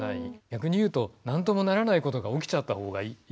逆に言うと何ともならないことが起きちゃったほうがいいぐらい。